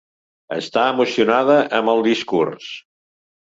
Està emocionada amb el discurs.